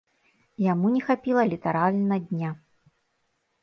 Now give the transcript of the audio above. Яму не хапіла літаральна дня.